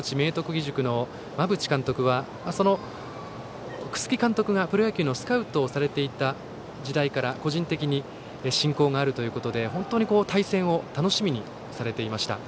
義塾の馬淵監督は楠城監督がプロ野球のスカウトをされていた時代から個人的に親交があるということで本当に対戦を楽しみにされていました。